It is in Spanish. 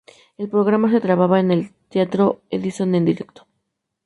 El programa se grababa en el Teatro Edison en directo.